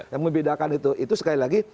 yang membedakan itu itu sekali lagi